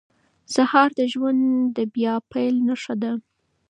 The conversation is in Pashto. سهار د ژوند د بیا پیل نښه ده.